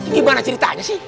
gimana ceritanya sih